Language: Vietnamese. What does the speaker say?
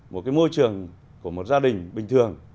một cái môi trường của một gia đình bình thường